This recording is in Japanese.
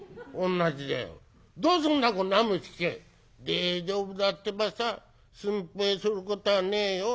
「大丈夫だってばさ。心配することはねえよ。